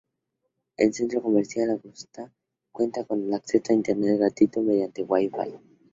El Centro Comercial Augusta cuenta con acceso a Internet gratuito mediante Wifi.